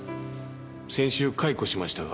先週解雇しましたが。